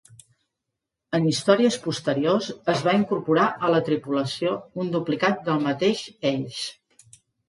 En històries posteriors, es va incorporar a la tripulació un duplicat del mateix Ace.